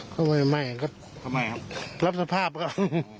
ก็ไม่ไม่ครับรับสภาพครับ